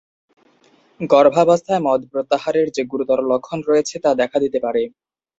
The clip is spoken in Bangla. গর্ভাবস্থায় মদ প্রত্যাহারের যে গুরুতর লক্ষণ রয়েছে তা দেখা দিতে পারে।